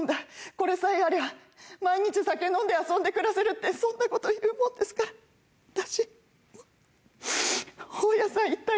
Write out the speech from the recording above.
これさえあれば毎日酒飲んで遊んで暮らせるってそんなこと言うもんですから私。